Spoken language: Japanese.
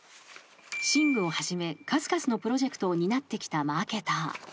シングをはじめ数々のプロジェクトを担ってきたマーケター］